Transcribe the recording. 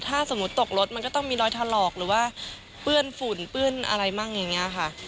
ถ้าสมมุติตกรถมันก็ต้องมีรอยถลอกหรือว่าเปื้อนฝุ่นเปื้อนอะไรมั่งอย่างนี้ค่ะ